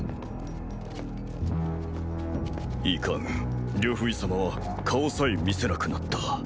いかん呂不韋様は顔さえ見せなくなった。